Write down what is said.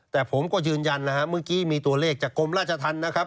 แต่ผมก็ยืนยันนะฮะเมื่อกี้มีตัวเลขจากกรมราชธรรมนะครับ